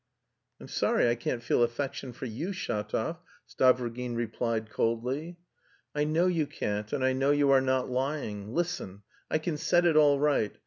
"I'm sorry I can't feel affection for you, Shatov," Stavrogin replied coldly. "I know you can't, and I know you are not lying. Listen. I can set it all right.